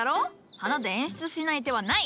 花で演出しない手はない！